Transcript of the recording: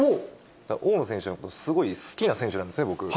大野選手のこと、すごい好きな選手なんですね、僕。